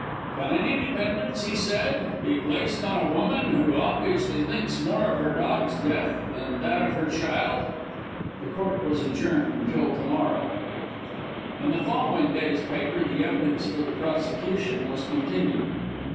"Can any dependence," he said, "be placed on a woman, who obviously thinks more of her dog's death than that of her child!" The Court was adjourned till to morrow. In the following day's paper, the evidence for the prosecution was continued.